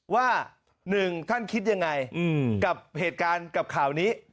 ว่า๑ท่านคิดยังไงกับเหตุการณ์กับข่าวนี้